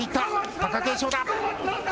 貴景勝だ。